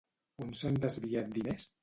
On s'han desviat diners?